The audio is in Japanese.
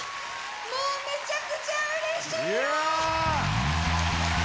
もうめちゃくちゃうれしいよ！